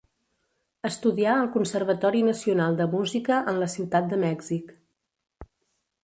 Estudià al Conservatori Nacional de Música en la ciutat de Mèxic.